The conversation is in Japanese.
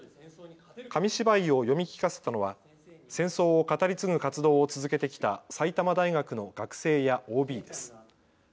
紙芝居を読み聞かせたのは戦争を語り継ぐ活動を続けてきた埼玉大学の学生やＯＢです。